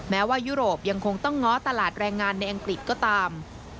แม้ว่ายุโรปยังคงต้องง้อตลาดแรงงานในอังกฤษก็ตาม